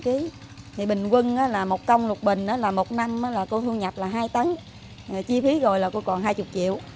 thì bình quân là một công lục bình là một năm là cô thu nhập là hai tấn chi phí rồi là cô còn hai mươi triệu